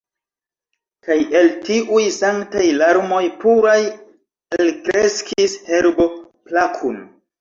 Kaj el tiuj sanktaj larmoj puraj elkreskis herbo plakun.